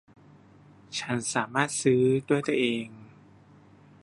ฉันสามารถซื้อด้วยตัวเอง